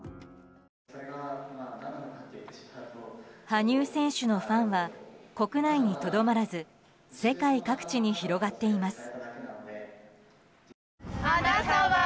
羽生選手のファンは国内にとどまらず世界各地に広がっています。